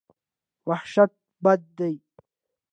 وحشت بد دی.